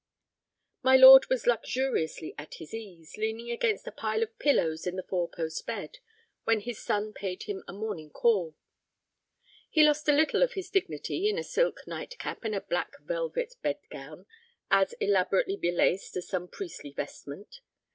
My lord was luxuriously at his ease, leaning against a pile of pillows in the four post bed, when his son paid him a morning call. He lost a little of his dignity in a silk nightcap and a black velvet bed gown as elaborately belaced as some priestly vestment.